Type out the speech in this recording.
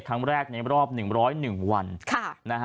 ครั้งแรกในรอบ๑๐๑วัน